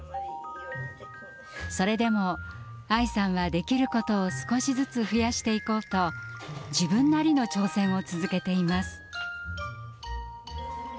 それでも愛さんはできることを少しずつ増やしていこうと自分なりの挑戦を続けています。